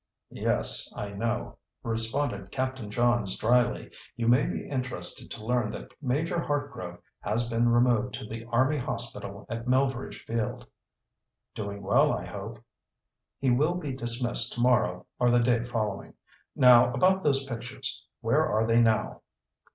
"Yes, I know," responded Captain Johns dryly. "You may be interested to learn that Major Hartgrove has been removed to the army hospital at Melveredge Field." "Doing well I hope." "He will be dismissed tomorrow or the day following. Now about those pictures. Where are they now?"